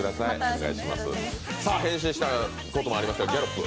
変身したこともありましたギャロップ